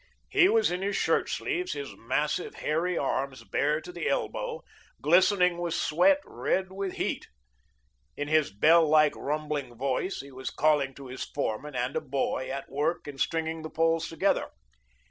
He was in his shirt sleeves, his massive, hairy arms bare to the elbow, glistening with sweat, red with heat. In his bell like, rumbling voice, he was calling to his foreman and a boy at work in stringing the poles together.